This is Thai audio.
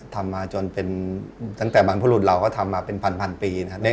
ทำมาจนเป็นตั้งแต่บรรพรุษเราก็ทำมาเป็นพันปีนะครับ